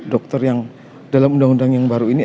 dokter yang dalam undang undang yang baru ini